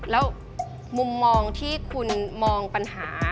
แล้วมุมมองที่คุณมองปัญหา